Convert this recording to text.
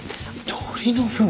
鳥のふん？